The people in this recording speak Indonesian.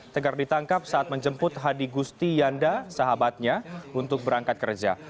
tegar ditangkap saat menjemput hadi gusti yanda sahabatnya untuk berangkat kerja